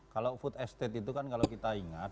kalau food estate itu kan kalau kita ingat